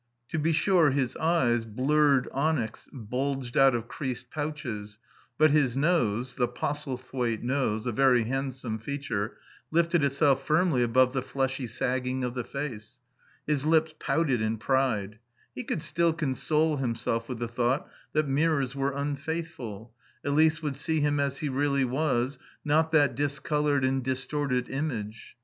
To be sure his eyes, blurred onyx, bulged out of creased pouches; but his nose the Postlethwaite nose, a very handsome feature lifted itself firmly above the fleshy sagging of the face. His lips pouted in pride. He could still console himself with the thought that mirrors were unfaithful; Elise would see him as he really was; not that discoloured and distorted image.